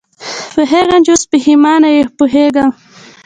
پوهېږم چې اوس پېښېمانه یې، پوهېږم.